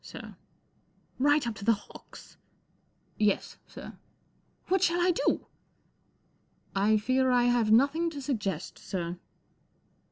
sir/' " Right up to the hocks !"" Yes sir." " What shall 1 do ?" rr I fear I have nothing to suggest, sir."